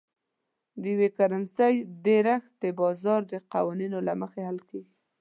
د یوې کرنسۍ ډېرښت د بازار د قوانینو له مخې حل کیږي.